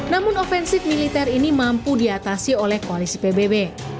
namun ofensif militer ini mampu diatasi oleh koalisi pbb